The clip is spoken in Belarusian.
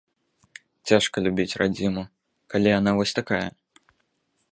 Цяжка любіць радзіму, калі яна вось такая.